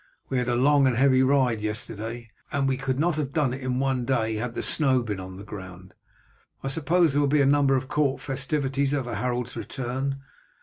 "We had a long and heavy ride yesterday, and we could not have done it in one day had the snow been on the ground. I suppose there will be a number of court festivities over Harold's return.